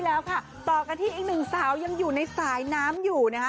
แล้วค่ะต่อกันที่อีกหนึ่งสาวยังอยู่ในสายน้ำอยู่นะคะ